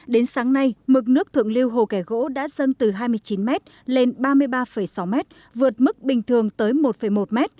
đến sáng nay mực nước thượng lưu hồ kẻ gỗ đã dâng từ hai mươi chín m lên ba mươi ba sáu m vượt mức bình thường tới một một m